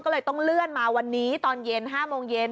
ก็เลยต้องเลื่อนมาวันนี้ตอนเย็น๕โมงเย็น